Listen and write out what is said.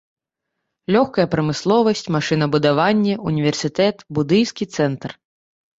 Лёгкая прамысловасць, машынабудаванне, універсітэт, будыйскі цэнтр.